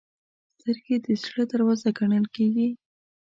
سترګې د زړه دروازه ګڼل کېږي